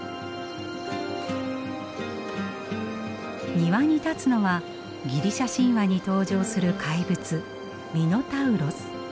庭に立つのはギリシャ神話に登場する怪物ミノタウロス。